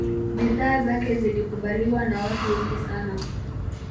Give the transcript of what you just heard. bidhaa zake zilikubaliwa na watu wengi sana